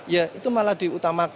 ya itu malah diutamakan gitu ya